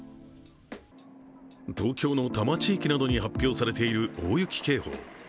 東京の多摩地域などに発表されている大雪警報。